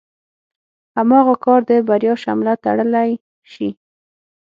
هماغه کار د بريا شمله تړلی شي.